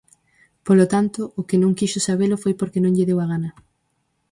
Polo tanto, o que non quixo sabelo foi porque non lle deu a gana.